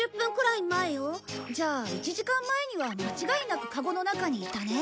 じゃあ１時間前には間違いなくカゴの中にいたね。